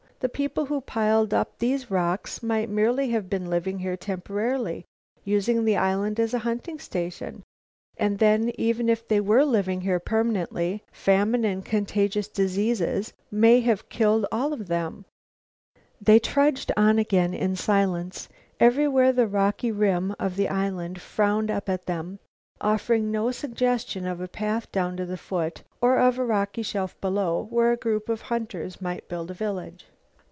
"The people who piled up those rocks might merely have been living here temporarily, using this island as a hunting station; and then, even if they were living here permanently, famine and contagious diseases may have killed all of them off." They trudged on again in silence. Everywhere the rocky rim of the island frowned up at them, offering no suggestion of a path down to the foot, or of a rocky shelf below where a group of hunters might build a village.